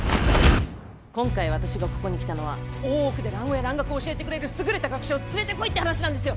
今回私がここに来たのは大奥で蘭語や蘭学を教えてくれる優れた学者を連れてこいって話なんですよ！